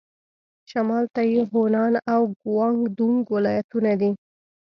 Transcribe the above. شمال ته یې هونان او ګوانګ دونګ ولايتونه دي.